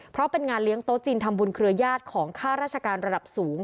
เพราะเป็นงานเลี้ยงโต๊ะจีนทำบุญเครือญาติของค่าราชการระดับสูง